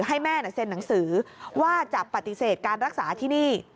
ให้แม่เซ็นหนังสือว่าจะปฏิเสธการรักษาที่นี่